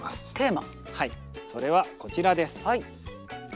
はいそれはこちらです。